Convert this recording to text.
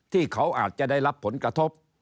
ที่เขาอาจจะได้รับผลกระทบ